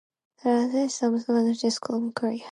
They established Japanese language schools in Korea.